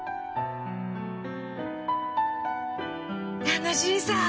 楽しいさぁ！